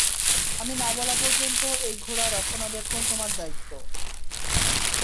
আমি না বলা পর্যন্ত, এই ঘোড়া রক্ষণাবেক্ষণ তোমার দায়িত্ব।